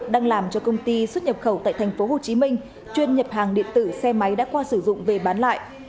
đang làm cho công ty xuất nhập khẩu tại tp hcm chuyên nhập hàng điện tử xe máy đã qua sử dụng về bán lại